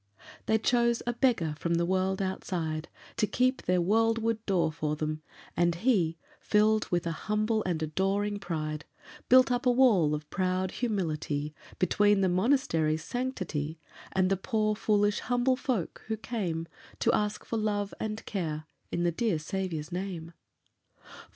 They chose a beggar from the world outside To keep their worldward door for them, and he, Filled with a humble and adoring pride, Built up a wall of proud humility Between the monastery's sanctity And the poor, foolish, humble folk who came To ask for love and care, in the dear Saviour's name.